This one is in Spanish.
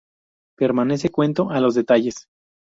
Permanece cuento a los detalles.